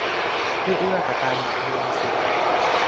เพื่อเอื้อต่อการหลอมรวมสื่อ